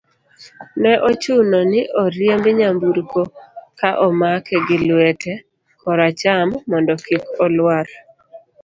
ne ochuno ni oriemb nyamburko ka omake gi lwete kor acham mondo kik olwar